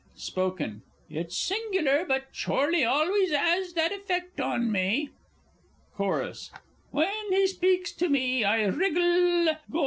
Spoken It's singular, but Chorley always 'as that effect on me. Chorus When he speaks to me, I wriggle, &c.